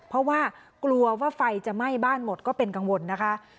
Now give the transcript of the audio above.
เพราะว่ากลัวว่าไฟจะไหม้บ้านหมดก็เป็นกังวลนะคะ